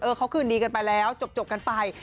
เขาคืนดีกันไปแล้วจบกันไป